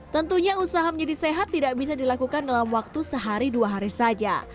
tentunya usaha menjadi sehat tidak bisa dilakukan dalam waktu sehari dua hari saja